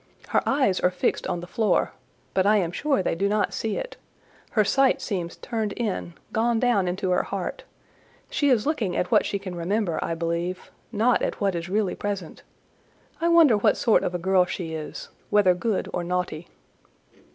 Her eyes are fixed on the floor, but I am sure they do not see it—her sight seems turned in, gone down into her heart: she is looking at what she can remember, I believe; not at what is really present. I wonder what sort of a girl she is—whether good or naughty."